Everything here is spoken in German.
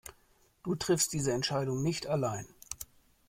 Du triffst diese Entscheidungen nicht allein.